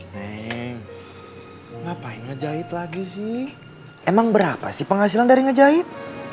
ngapain ngejahit lagi sih emang berapa sih penghasilan dari ngejahit